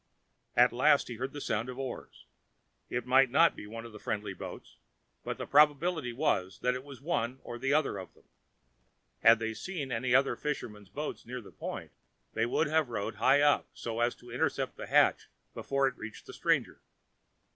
At last he heard the sound of oars. It might not be one of the friendly boats; but the probability was that it was one or other of them. Had they seen any other fisherman's boat near the point, they would have rowed high up so as to intercept the hatch before it reached the stranger.